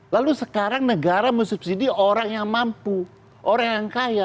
lalu sekarang negara mensubsidi orang yang mampu orang yang kaya